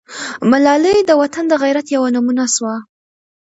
ملالۍ د وطن د غیرت یوه نمونه سوه.